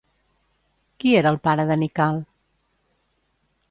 Qui era el pare de Nikkal?